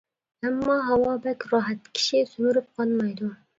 ئەمما ھاۋا بەك راھەت، كىشى سۈمۈرۈپ قانمايدۇ.